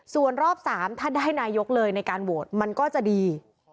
ส่วนรอบ๓ถ้าได้นายกเลยในการโหวตมันก็จะดี